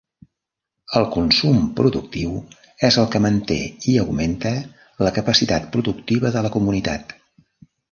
El consum productiu és el que manté i augmenta la capacitat productiva de la comunitat.